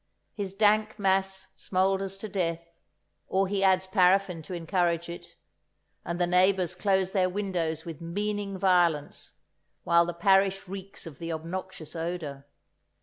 His dank mass smoulders to death, or he adds paraffin to encourage it, and the neighbours close their windows with meaning violence, while the parish reeks of the obnoxious odour.